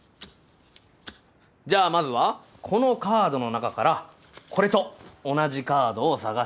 じゃあまずはこのカードの中からこれと同じカードを探してください。